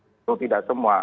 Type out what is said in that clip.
itu tidak semua